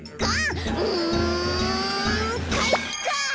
うんかいか！